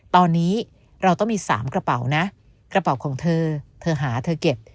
ตอนนี้เราต้องมี๓กระเป๋านะกระเป๋าของเธอเธอหาเธอเก็บ